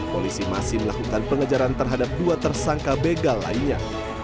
polisi masih melakukan pengejaran terhadap dua tersangka begal lainnya